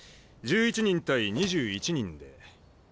１１人対２１人で。